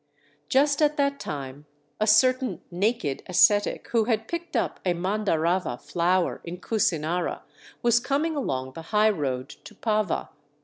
Just at that time a certain naked ascetic who had picked up a Mandarava flower in Kusinara was coming along the high road to Pava.